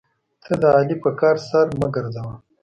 ته د علي په کار سر مه ګرځوه.